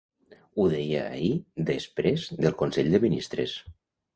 Ho deia ahir després del consell de ministres.